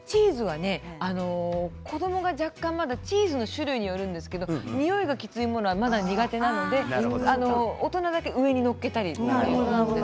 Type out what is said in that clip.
子どもが若干チーズの種類によるんですがにおいがきついものは苦手なので大人だけ上に載っけたり。